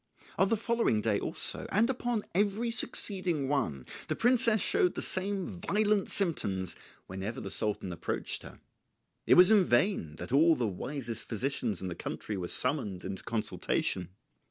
On the following day also, and upon every succeeding one, the princess showed the same violent symptoms whenever the Sultan approached her. It was in vain that all the wisest physicians in the country were summoned into consultation.